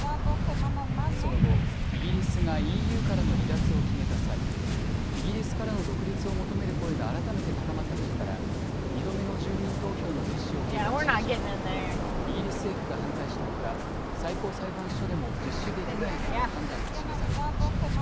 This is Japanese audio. その後、イギリスがＥＵからの離脱を決めた際、イギリスからの独立を求める声が改めて高まったことから２度目の住民投票の実施を計画しましたがイギリス政府が反対したほか最高裁判所でも実施できないとの判断が示されていました。